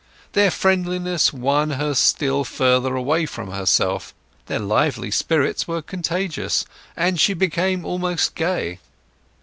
Their friendliness won her still farther away from herself, their lively spirits were contagious, and she became almost gay.